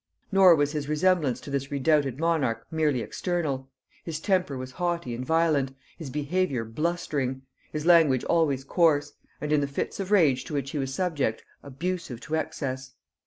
Nor was his resemblance to this redoubted monarch merely external; his temper was haughty and violent, his behaviour blustering, his language always coarse, and, in the fits of rage to which he was subject, abusive to excess.